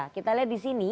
kita lihat di sini